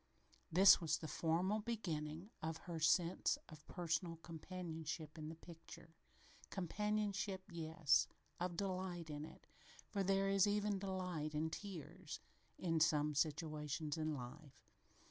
This was the formal beginning of her sense of personal companionship in the picture companionship, yes, of delight in it, for there is even delight in tears in some situations in life.